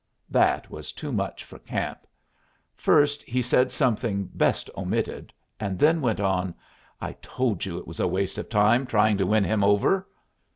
That was too much for Camp. First he said something best omitted, and then went on, "I told you it was waste time trying to win him over."